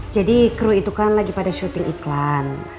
jadi kru itu kan lagi pada syuting iklan